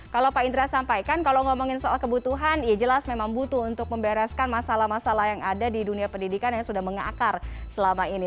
kalau pak indra sampaikan kalau ngomongin soal kebutuhan ya jelas memang butuh untuk membereskan masalah masalah yang ada di dunia pendidikan yang sudah mengakar selama ini